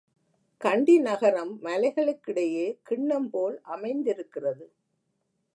கண்டி நகரம் மலைகளுக்கிடையே கிண்ணம் போல் அமைந்திருக்கிறது.